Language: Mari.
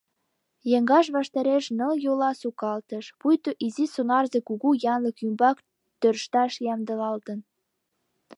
Еҥгаж ваштареш нылйола сукалтыш, пуйто изи сонарзе кугу янлык ӱмбак тӧршташ ямдылалтын.